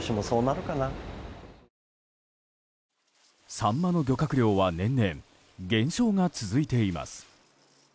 サンマの漁獲量は年々、減少が続いています。